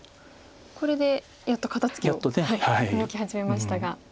これでやっと肩ツキを動き始めましたが。